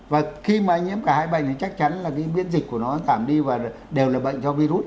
và khi mà anh nhiễm cả hai bệnh thì chắc chắn là cái biến dịch của nó tạm đi và đều là bệnh do virus